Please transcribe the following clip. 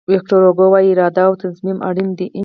ویکتور هوګو وایي اراده او تصمیم اړین دي.